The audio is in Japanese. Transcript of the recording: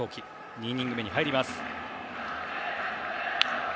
２イニング目に入ります。